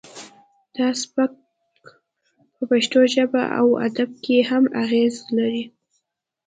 دا سبک په پښتو ژبه او ادب کې هم اغیز لري